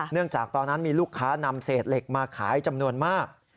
จากตอนนั้นมีลูกค้านำเศษเหล็กมาขายจำนวนมาก